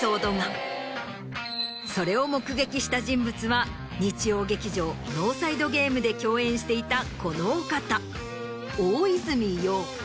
それを目撃した人物は日曜劇場『ノーサイド・ゲーム』で共演していたこのお方。